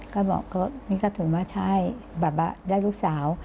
ก็บอกก็นี่ก็ถือว่าใช่แบบว่าได้ลูกสาว